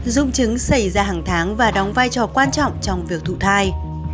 dung chứng xảy ra hàng tháng và đóng vai trò quan trọng trong việc thụ thai